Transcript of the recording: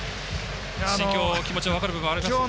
心境、気持ちは分かる部分ありますか。